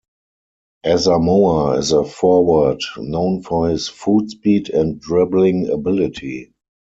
Asamoah is a forward, known for his footspeed and dribbling ability.